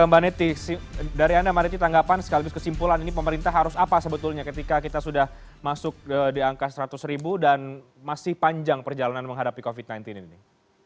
mbak neti dari anda mbak neti tanggapan sekaligus kesimpulan ini pemerintah harus apa sebetulnya ketika kita sudah masuk di angka seratus ribu dan masih panjang perjalanan menghadapi covid sembilan belas ini